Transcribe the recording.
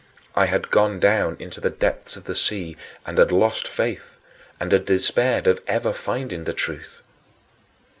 I had gone down into the depths of the sea and had lost faith, and had despaired of ever finding the truth.